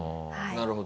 なるほど。